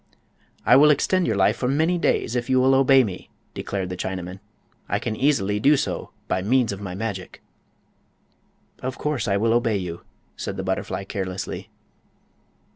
"I will extend your life for many days, if you will obey me," declared the Chinaman. "I can easily do so by means of my magic." "Of course I will obey you," said the butterfly, carelessly.